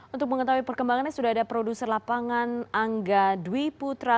untuk mengetahui perkembangannya sudah ada produser lapangan angga dwi putra